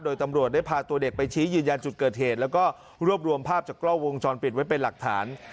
โดยตำรวจได้พาตัวเด็กไปชี้ยืนยันจุดเกิดเหตุแล้วก็รวบรวมภาพจากกล้องวงจรปิดไว้เป็นหลักฐาน